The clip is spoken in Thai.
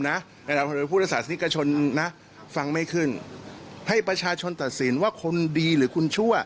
นี่ก็ชนนะฟังไม่ขึ้นให้ประชาชนตัดสินว่าคนดีหรือคนชั่ว